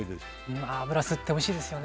油吸っておいしいですよね。